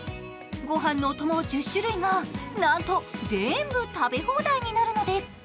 ごはんのお供１０種類が、なんと全部食べ放題になるのです。